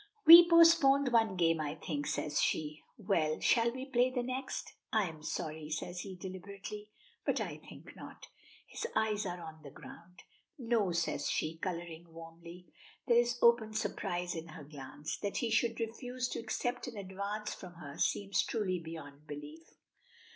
"We postponed one game, I think," says she. "Well shall we play the next?" "I am sorry," says he, deliberately, "but I think not." His eyes are on the ground. "No?" says she, coloring warmly. There is open surprise in her glance. That he should refuse to accept an advance from her seems truly beyond belief.